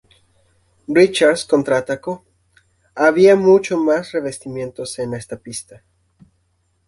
Richards contraatacó: "Había mucho más revestimientos en esta pista.